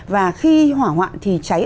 và khi hỏa hoạn thì cháy